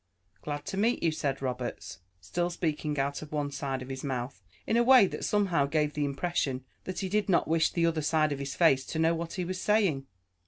"Glad to meet you," said Roberts, still speaking out of one side of his mouth, in a way that somehow gave the impression that he did not wish the other side of his face to know what he was saying.